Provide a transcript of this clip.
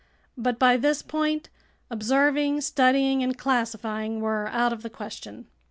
But by this point observing, studying, and classifying were out of the question.